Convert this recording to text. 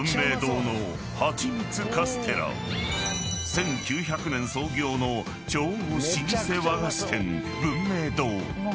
［１９００年創業の超老舗和菓子店文明堂］